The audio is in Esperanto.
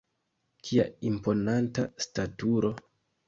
Kia imponanta staturo!